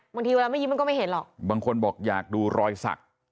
เวลาไม่ยิ้มมันก็ไม่เห็นหรอกบางคนบอกอยากดูรอยสัก